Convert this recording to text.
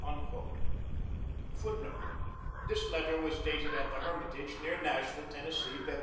[Footnote: This letter was dated at the Hermitage, near Nashville, Tennessee, Feb.